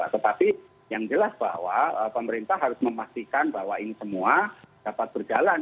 tetapi yang jelas bahwa pemerintah harus memastikan bahwa ini semua dapat berjalan